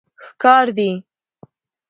ښکار دي